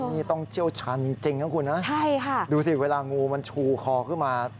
นี่ต้องเชี่ยวชาญจริงนะคุณนะใช่ค่ะดูสิเวลางูมันชูคอขึ้นมา